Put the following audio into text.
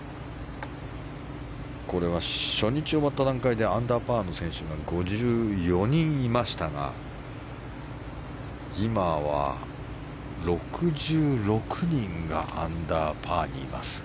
初日が終わった段階でアンダーパーの選手が５４人いましたが今は６６人がアンダーパーにいます。